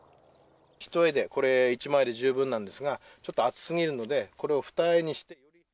ひとえで十分なんですが、ちょっと暑すぎるので、これを二重にして。